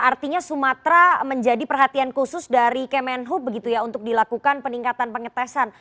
artinya sumatera menjadi perhatian khusus dari kemenhub begitu ya untuk dilakukan peningkatan pengetesan